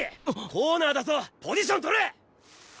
コーナーだぞポジションとれ！